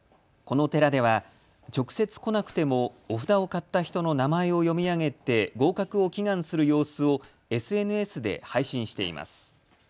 この寺では直接来なくてもお札を買った人の名前を読み上げて合格を祈願する様子をＳＮＳで配信しています。